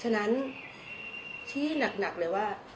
ฉะนั้นที่หนักเลยว่า